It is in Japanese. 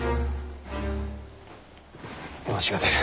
わしが出る。